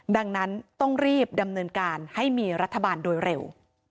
ดังนั้นต้องรีบดำเนินการให้มีรัฐบาลโดยเร็ว